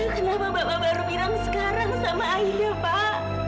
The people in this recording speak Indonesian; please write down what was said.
kenapa bapak baru mirang sekarang sama ayda pak